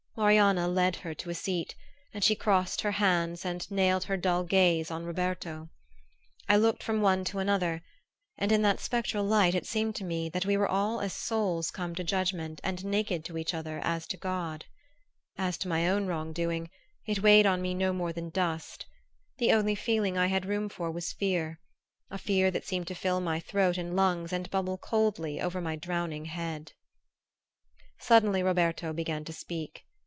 Marianna led her to a seat, and she crossed her hands and nailed her dull gaze on Roberto. I looked from one to another, and in that spectral light it seemed to me that we were all souls come to judgment and naked to each other as to God. As to my own wrongdoing, it weighed on me no more than dust. The only feeling I had room for was fear a fear that seemed to fill my throat and lungs and bubble coldly over my drowning head. Suddenly Roberto began to speak.